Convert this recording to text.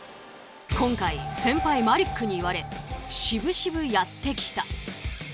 今回先輩マリックに言われしぶしぶやって来た。